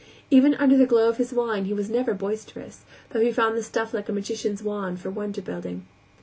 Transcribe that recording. Even under the glow of his wine he was never boisterous, though he found the stuff like a magician's wand for wonder building.